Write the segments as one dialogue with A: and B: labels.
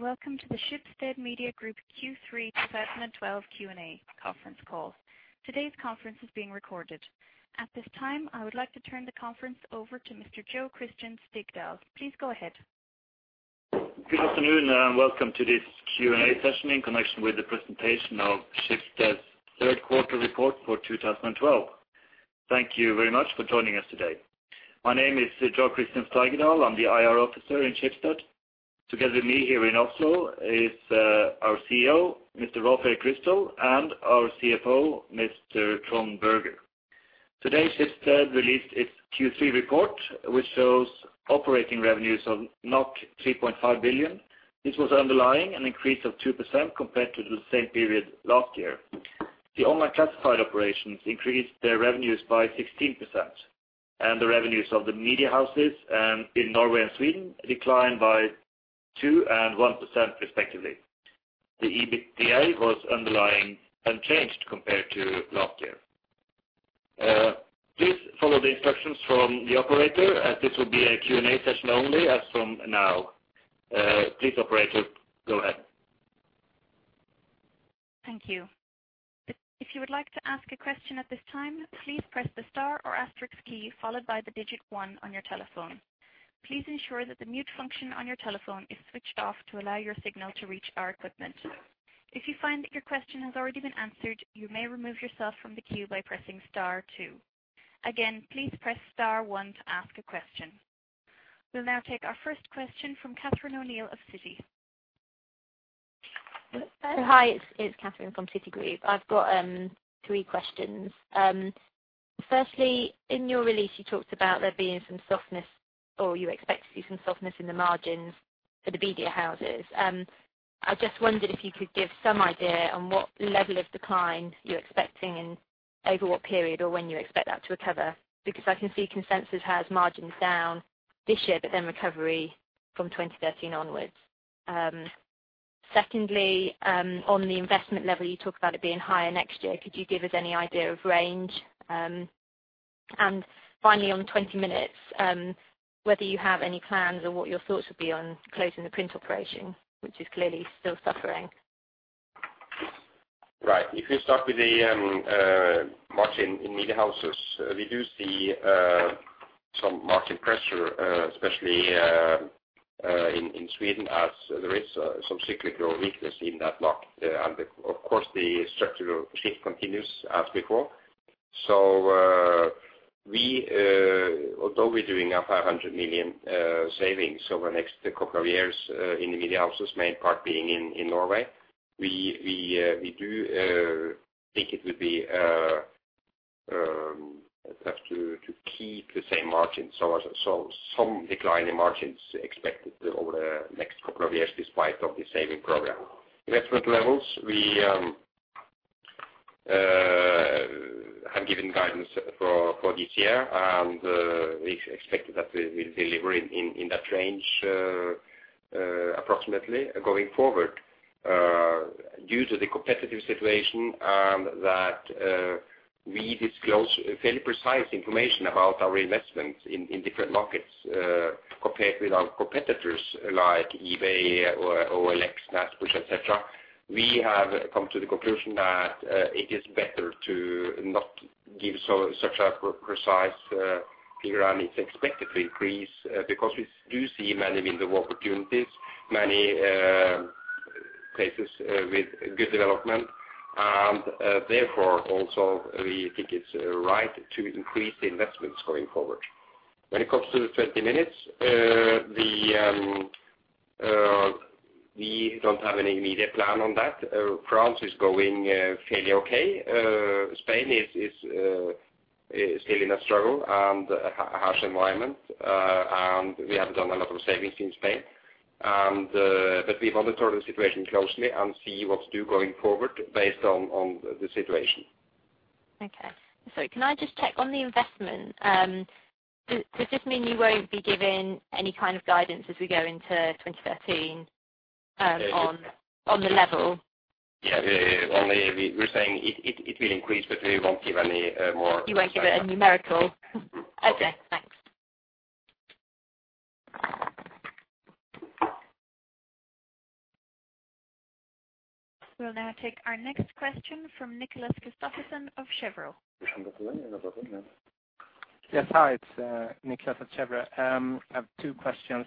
A: Welcome to the Schibsted Media Group Q3 2012 Q&A conference call. Today's conference is being recorded. At this time, I would like to turn the conference over to Mr. Jo Christian Stigdal. Please go ahead.
B: Good afternoon, and welcome to this Q&A session in connection with the presentation of Schibsted's third quarter report for 2012. Thank you very much for joining us today. My name is Jo Christian Stigdal. I'm the IR officer in Schibsted. Together with me here in Oslo is our CEO, Mr. Rolf Eg Kristoffersen, and our CFO, Mr. Trond Berger. Today, Schibsted released its Q3 report, which shows operating revenues of 3.5 billion. This was underlying an increase of 2% compared to the same period last year. The online classified operations increased their revenues by 16%, and the revenues of the media houses in Norway and Sweden declined by 2% and 1% respectively. The EBITDA was underlying unchanged compared to last year. Please follow the instructions from the operator, as this will be a Q&A session only as from now. Please, operator, go ahead.
A: Thank you. If you would like to ask a question at this time, please press the star or asterisk key followed by the digit one on your telephone. Please ensure that the mute function on your telephone is switched off to allow your signal to reach our equipment. If you find that your question has already been answered, you may remove yourself from the queue by pressing star two. Again, please press star one to ask a question. We'll now take our first question from Catherine O'Neill of Citi.
C: Hi, it's Catherine from Citigroup. I've got three questions. Firstly, in your release, you talked about there being some softness, or you expect to see some softness in the margins for the media houses. I just wondered if you could give some idea on what level of decline you're expecting and over what period or when you expect that to recover, because I can see consensus has margins down this year but then recovery from 2013 onwards. Secondly, on the investment level, you talk about it being higher next year. Could you give us any idea of range? Finally, on 20 minutes, whether you have any plans or what your thoughts would be on closing the print operation, which is clearly still suffering?
D: Right. If you start with the margin in media houses, we do see some margin pressure, especially in Sweden as there is some cyclical weakness in that market. Of course, the structural shift continues as before. Although we're doing a 500 million savings over the next couple of years in the media houses, main part being in Norway, we do think it would be tough to keep the same margin. Some decline in margins expected over the next couple of years despite of the saving program. Investment levels, we have given guidance for this year, and we expect that we deliver in that range approximately going forward. Due to the competitive situation and that we disclose fairly precise information about our investments in different markets, compared with our competitors like eBay or OLX, Naspers, et cetera. We have come to the conclusion that it is better to not give such a pre-precise figure and it's expected to increase because we do see many window opportunities, many places with good development, and therefore, also, we think it's right to increase the investments going forward. When it comes to the 20 minutes, we don't have any immediate plan on that. France is going fairly okay. Spain is still in a struggle and a harsh environment. We have done a lot of savings in Spain and... We monitor the situation closely and see what to do going forward based on the situation.
C: Okay. Sorry, can I just check on the investment? Does this mean you won't be giving any kind of guidance as we go into 2013 on the level?
D: Yeah. Only we're saying it will increase, but we won't give any.
C: You won't give a numerical?
D: No.
C: Okay, thanks.
A: We'll now take our next question from Nicholas Christopherson of Cheuvreux.
E: Yes. Hi, it's Nicholas at Cheuvreux. I have two questions.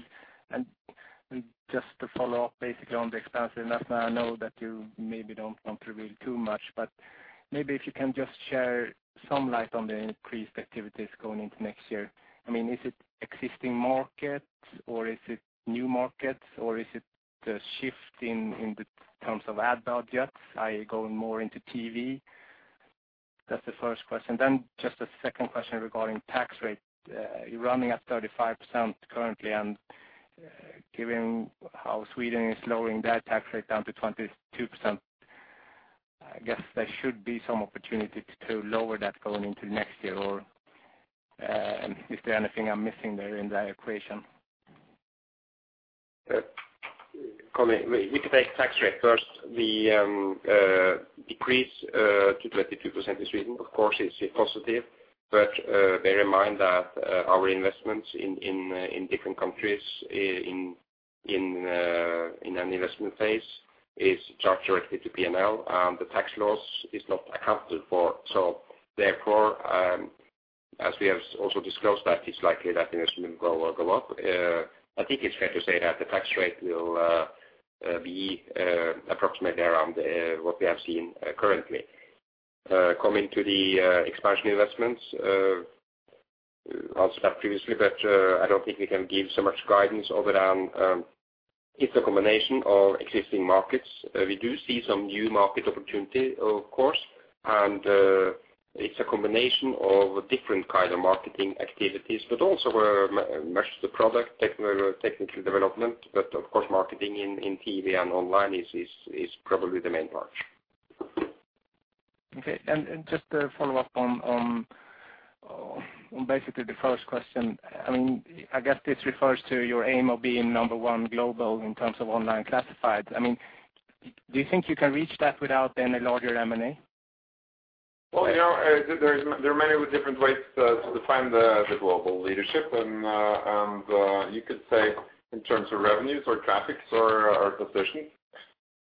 E: Just to follow up basically on the expansion in Naspers, I know that you maybe don't want to reveal too much, but maybe if you can just share some light on the increased activities going into next year. I mean, is it existing markets or is it new markets, or is it a shift in the terms of ad budgets, i.e. going more into TV? That's the first question. Just a second question regarding tax rate. You're running at 35% currently, and given how Sweden is lowering their tax rate down to 22%, I guess there should be some opportunity to lower that going into next year. Is there anything I'm missing there in that equation?
D: We can take tax rate first. The decrease to 22% in Sweden, of course, is a positive. Bear in mind that our investments in different countries in an investment phase is charged directly to P&L, and the tax loss is not accounted for. Therefore, as we have also discussed that it's likely that investment will go up. I think it's fair to say that the tax rate will be approximately around what we have seen currently. Coming to the expansion investments, answered that previously, I don't think we can give so much guidance other than it's a combination of existing markets. We do see some new market opportunity, of course, and it's a combination of different kind of marketing activities, but also much the product technical development. Of course, marketing in TV and online is probably the main part.
E: Okay. Just to follow up on basically the first question. I mean, I guess this refers to your aim of being number one global in terms of online classifieds. I mean, do you think you can reach that without then a larger M&A?
D: Well, you know, there's, there are many different ways to define the global leadership. You could say in terms of revenues or traffics or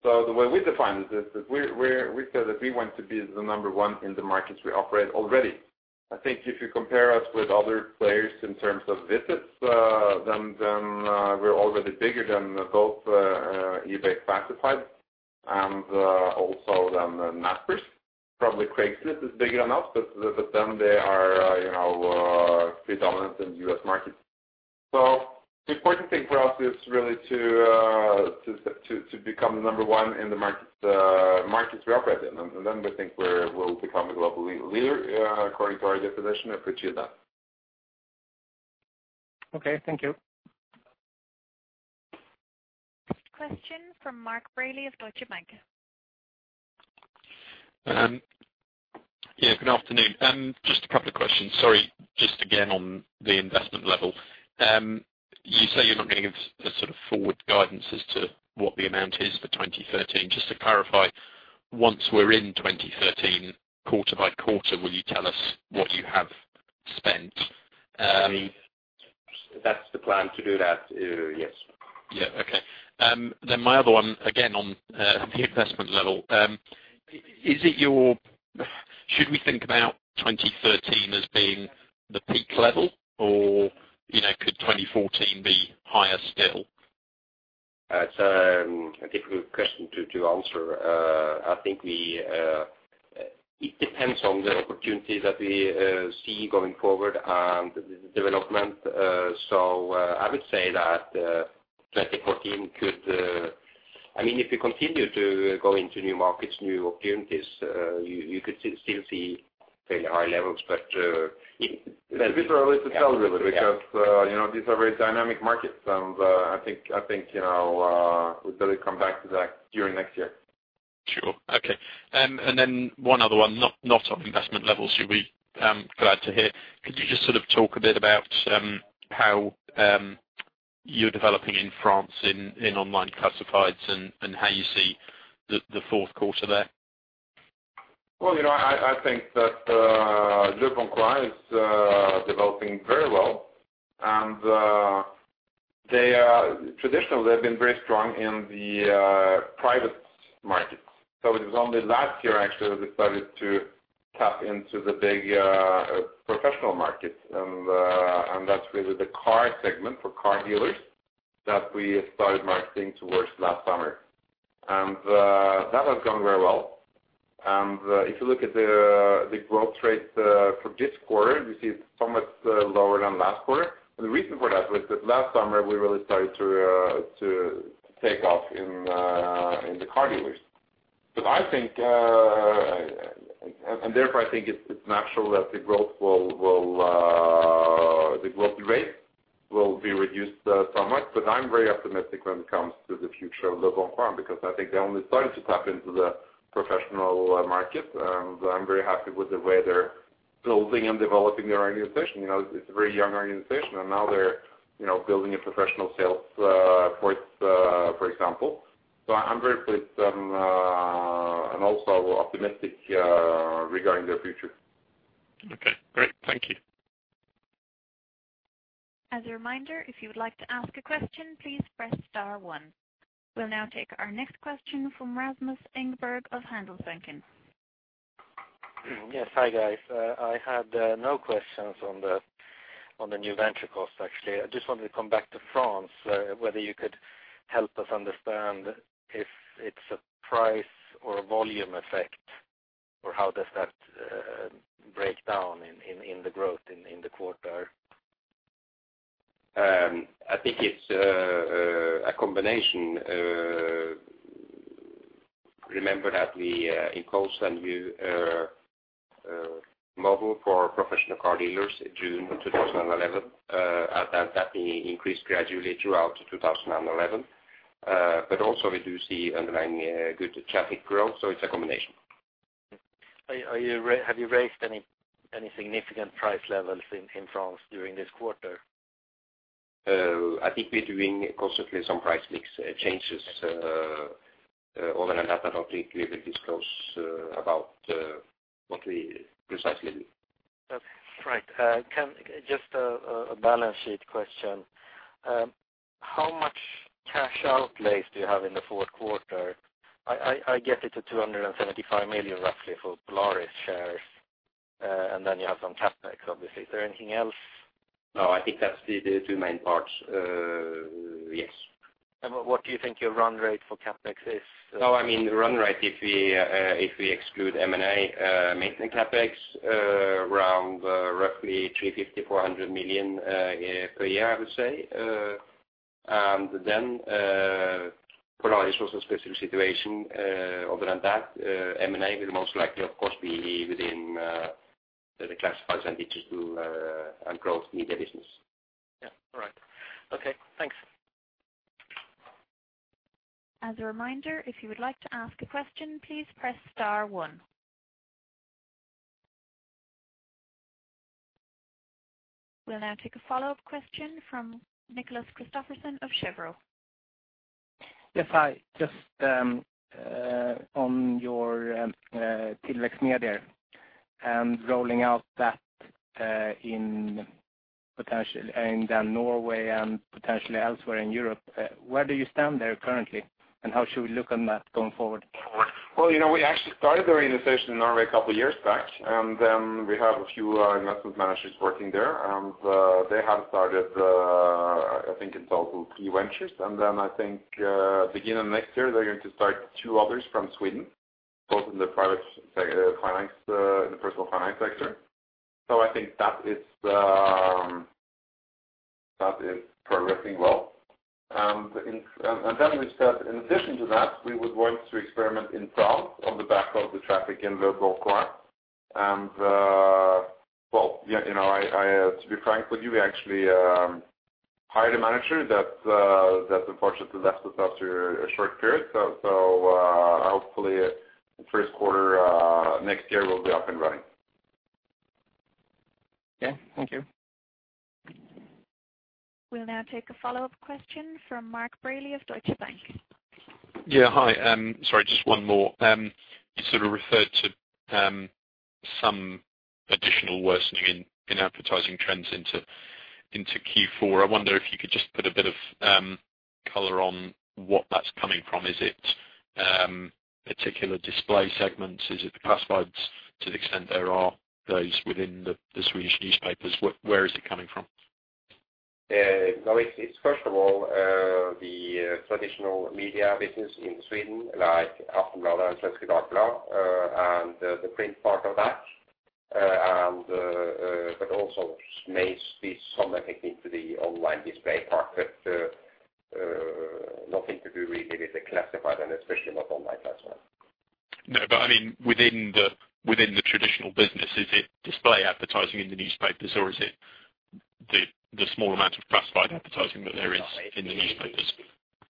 D: positions. The way we define it is that we say that we want to be the number one in the markets we operate already. I think if you compare us with other players in terms of visits, then, we're already bigger than both, eBay Classified and also than Naspers. Probably Craigslist is bigger than us, but then they are, you know, predominant in U.S. market. The important thing for us is really to become number one in the markets we operate in. Then we think we'll become a global leader, according to our definition of achieve that.
E: Okay, thank you.
A: Question from Mark Bradley of Deutsche Bank.
F: Good afternoon. Just a couple of questions. Sorry, just again on the investment level. You say you're not giving a sort of forward guidance as to what the amount is for 2013. Just to clarify, once we're in 2013, quarter by quarter, will you tell us what you have spent?
D: That's the plan to do that, yes.
F: Yeah. Okay. My other one, again, on the investment level. Should we think about 2013 as being the peak level, or, you know, could 2014 be higher still?
D: It's a difficult question to answer. I think we, it depends on the opportunity that we see going forward and the development. I would say that 2014 could... I mean, if you continue to go into new markets, new opportunities, you could still see fairly high levels. If-
F: It's a bit early to tell, really, because, you know, these are very dynamic markets, and, I think, you know, we better come back to that during next year.
D: Sure. Okay.
F: One other one, not on investment levels, you'll be glad to hear. Could you just sort of talk a bit about how you're developing in France in online classifieds and how you see the fourth quarter there?
D: Well, you know, I think that leboncoin is developing very well. They are traditionally, they've been very strong in the private markets. It was only last year actually, we started to tap into the big professional market, and that's really the car segment for car dealers that we started marketing towards last summer. That has gone very well. If you look at the growth rate for this quarter, you see it's so much lower than last quarter. The reason for that was that last summer we really started to take off in the car dealers. I think. Therefore, I think it's natural that the growth will, the growth rate will be reduced somewhat. I'm very optimistic when it comes to the future of leboncoin, because I think they only started to tap into the professional markets. I'm very happy with the way they're building and developing their organization. You know, it's a very young organization, and now they're, you know, building a professional sales force, for example. I'm very pleased and also optimistic regarding their future.
F: Okay, great. Thank you.
A: As a reminder, if you would like to ask a question, please press star one. We'll now take our next question from Rasmus Engberg of Handelsbanken.
G: Yes. Hi, guys. I had no questions on the new venture costs, actually. I just wanted to come back to France, whether you could help us understand if it's a price or volume effect or how does that break down in, in the growth in the quarter?
D: I think it's a combination. Remember that we imposed a new model for professional car dealers in June of 2011. That we increased gradually throughout 2011. Also we do see underlying good traffic growth, so it's a combination.
G: Have you raised any significant price levels in France during this quarter?
D: I think we're doing constantly some price mix changes, other than that I don't think we will disclose about what we precisely do.
G: That's right. Just a balance sheet question. How much cash outlays do you have in the fourth quarter? I get it to 275 million, roughly, for Polaris shares, and then you have some CapEx, obviously. Is there anything else?
D: No, I think that's the two main parts. Yes.
G: What do you think your run rate for CapEx is?
D: I mean, run rate, if we, if we exclude M&A, maintenance CapEx, around, roughly 350 million-400 million per year, I would say. Then, Polaris was a special situation. Other than that, M&A will most likely, of course, be within, the classifieds and B2C, and growth media business.
G: Yeah. All right. Okay. Thanks.
A: As a reminder, if you would like to ask a question, please press star one. We'll now take a follow-up question from Nicholas Christopherson of Cheuvreux.
E: Yes, hi. Just on your Tillväxtmedier and rolling out that in Norway and potentially elsewhere in Europe, where do you stand there currently, and how should we look on that going forward?
D: Well, you know, we actually started the organization in Norway a couple of years back. We have a few investment managers working there. They have started three ventures. Beginning next year, they're going to start two others from Sweden, both in the personal finance sector. That is progressing well. In addition to that, we would want to experiment in France on the back of the traffic in Local quad. To be frank with you, we actually hired a manager that unfortunately left us after a short period. Hopefully first quarter next year, we'll be up and running.
E: Okay. Thank you.
A: We'll now take a follow-up question from Mark Bradley of Deutsche Bank.
F: Hi. Sorry, just one more. You sort of referred to, some additional worsening in advertising trends into Q4. I wonder if you could just put a bit of, color on what that's coming from. Is it, particular display segments? Is it the classifieds to the extent there are those within the Swedish newspapers? Where, where is it coming from?
D: No. It's first of all, the traditional media business in Sweden, like Aftonbladet and Svenska Dagbladet, and the print part of that. Also may speak something into the online display part. Nothing to do really with the classified and especially not online classified.
F: No, I mean, within the, within the traditional business, is it display advertising in the newspapers, or is it the small amount of classified advertising that there is in the newspapers?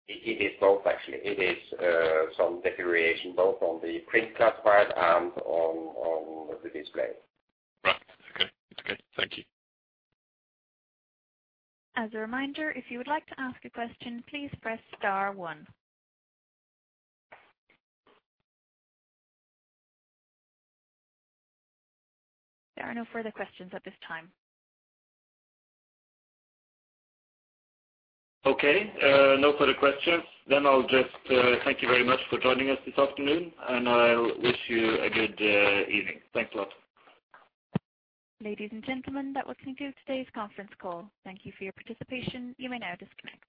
D: It is both, actually. It is, some deterioration both on the print classified and on the display.
F: Right. Okay. That's good. Thank you.
A: As a reminder, if you would like to ask a question, please press star one. There are no further questions at this time.
B: Okay. No further questions. I'll just, thank you very much for joining us this afternoon, and I'll wish you a good evening. Thanks a lot.
A: Ladies and gentlemen, that was the end of today's conference call. Thank you for your participation. You may now disconnect.